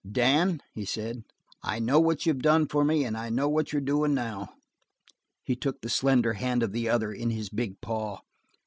"Dan," he said, "I know what you've done for me and I know what you're doin' now." He took the slender hand of the other in his big paw.